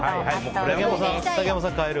竹山さん、変える？